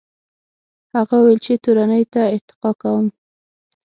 هغه وویل چې تورنۍ ته ارتقا کوم.